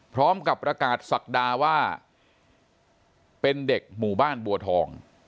พร้อมกับประกาศศักดาว่าเป็นเด็กหมู่บ้านบัวทอง